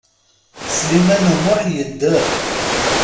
Sliman U Muḥ yedder?